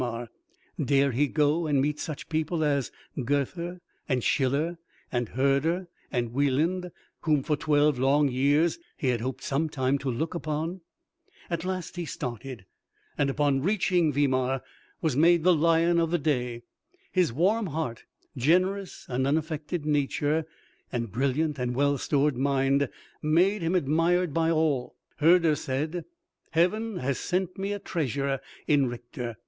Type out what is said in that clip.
Dare he go and meet such people as Goethe, and Schiller, and Herder, and Weiland, whom for twelve long years he had hoped sometime to look upon? At last he started, and upon reaching Weimar, was made the lion of the day. His warm heart, generous and unaffected nature, and brilliant and well stored mind made him admired by all. Herder said: "Heaven has sent me a treasure in Richter.